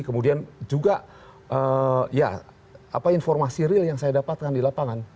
kemudian juga ya apa informasi real yang saya dapatkan di lapangan